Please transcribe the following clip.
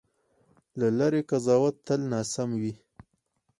له لرې قضاوت تل ناسم وي.